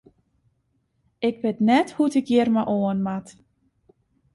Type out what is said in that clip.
Ik wit net hoe't ik hjir mei oan moat.